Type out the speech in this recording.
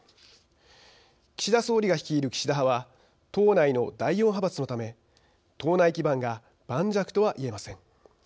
岸田総理が率いる岸田派は党内の第４派閥のため党内基盤が盤石とはいえません。